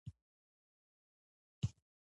دا له یوې خوا دنیوي وسوسې ډېروي.